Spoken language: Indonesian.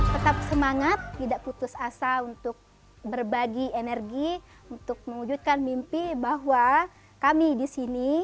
tetap semangat tidak putus asa untuk berbagi energi untuk mewujudkan mimpi bahwa kami di sini